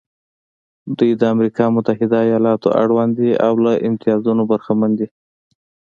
دوی د امریکا متحده ایالتونو اړوند دي او له امتیازونو برخمن دي.